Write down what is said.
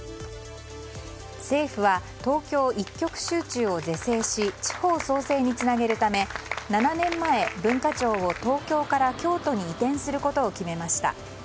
政府は東京一極集中を是正し地方創生につなげるため７年前、文化庁を東京から京都に移転することを決めました。